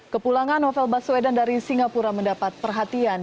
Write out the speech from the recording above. kepulangan novel baswedan dari singapura mendapat perhatian